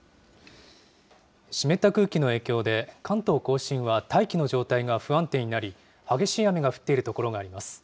湿った空気の影響で、関東甲信は大気の状態が不安定になり、激しい雨が降っている所があります。